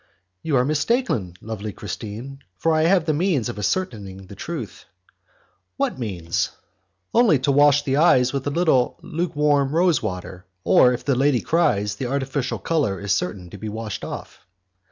"You are mistaken, lovely Christine, for I have the means of ascertaining the truth." "What means?" "Only to wash the eyes with a little lukewarm rose water; or if the lady cries, the artificial colour is certain to be washed off."